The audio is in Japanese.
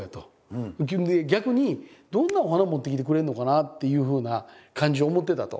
逆にどんなお花持ってきてくれるのかなっていうふうな感じで思ってたと。